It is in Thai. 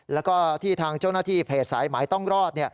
แล้วก็ที่ทางเจ้าหน้าที่เพจสายหมายต้องรอด